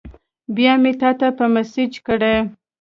بیا مې تاته په میسج کړی